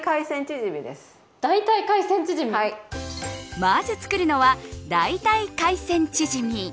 まず作るのはだいたい海鮮チヂミ。